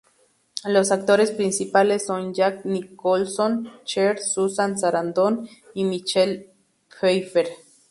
Los actores principales son Jack Nicholson, Cher, Susan Sarandon y Michelle Pfeiffer.